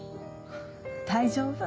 大丈夫。